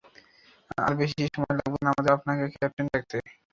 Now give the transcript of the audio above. আর বেশী সময় লাগবে না আমাদের আপনাকে ক্যাপ্টেন ডাকতে হবে।